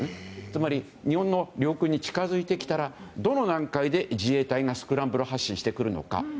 つまり日本の領空に近づいてきたらどの段階で自衛隊がスクランブル発進してくるのか。